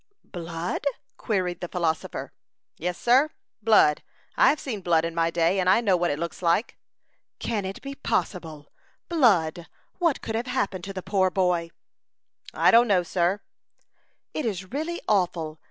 "Blood?" queried the philosopher. "Yes, sir, blood; I have seen blood in my day, and I know what it looks like." "Can it be possible! Blood! What could have happened to the poor boy?" "I don't know, sir." "It is really awful.